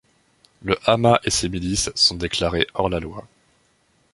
Le Hamas et ses milices sont déclarés hors-la-loi.